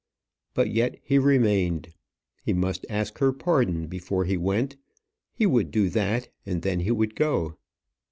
But yet he remained. He must ask her pardon before he went; he would do that, and then he would go.